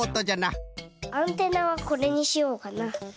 アンテナはこれにしようかな。